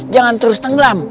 jangan terus tenggelam